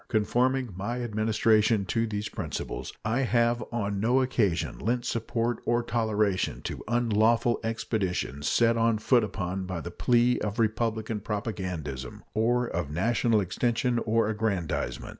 Conforming my Administration to these principles, I have or no occasion lent support or toleration to unlawful expeditions set on foot upon the plea of republican propagandism or of national extension or aggrandizement.